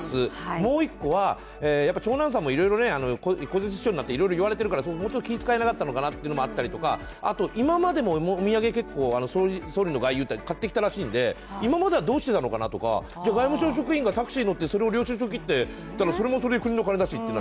もう１個は、長男さんもいろいろ公設秘書になっていろいろ言われてるからもうちょっと気使えなかったのかなというのもあるしあと、今までもお土産、結構総理の外遊って買ってきたらしいんで今まではどうしてたのかなとかじゃ、外務省職員がタクシー乗ってそれを領収書切ってそれも国の金だしって。